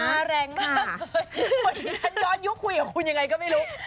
มาแรงมากเลยเหมือนที่ฉันยอดยุคคุยกับคุณยังไงก็ไม่รู้